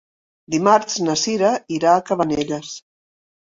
Dimarts na Sira irà a Cabanelles.